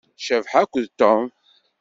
Cabḥa akked Tom.